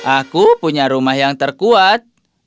aku punya rumah yang terkuat